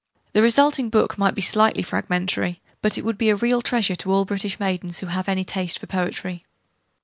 The resulting book might be slightly fragmentary: but it would be a real treasure to all British maidens who have any taste for poetry.